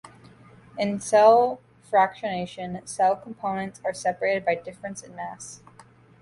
In cell fractionation, cell components are separated by difference in mass.